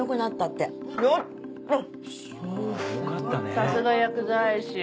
さすが薬剤師。